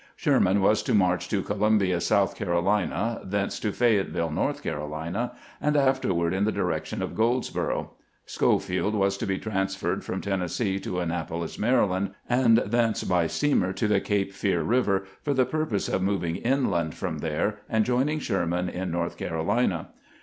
Sherman was to march to Columbia, South Carolina, thence to Fayetteville, North Carolina, and afterward in the di 386 GBANT PLANS THE SPUING CAMPAIGN 387 rection of Goldsborougli. Schofield was to be transferred from Tennessee to Annapolis, Maryland, and thence by steamer to tbe Cape Fear River, for the purpose of moving inland from tbere and joining Sberman in North Carolina.